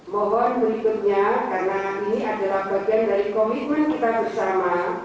mohon berikutnya karena ini adalah bagian dari komitmen kita bersama